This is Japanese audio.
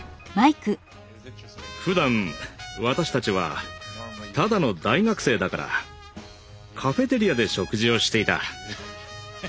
ふだん私たちはただの大学生だからカフェテリアで食事をしていた。